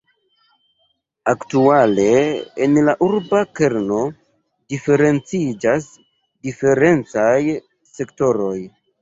Aktuale, en la urba kerno diferenciĝas diferencaj sektoroj.